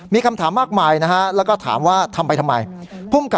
มีคำถามมากมายนะฮะแล้วก็ถามว่าทำไปทำไม